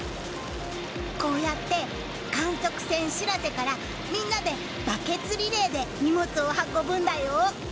こうやって観測船「しらせ」からみんなでバケツリレーで運ぶんだよ。